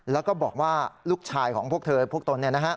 แล้วก็บอกว่าลูกชายของพวกเธอพวกตน